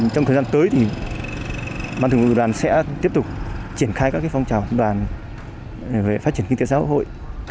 trong thời gian tới thì ban thường vụ đoàn sẽ tiếp tục triển khai các phong trào đoàn về phát triển kinh tế xã hội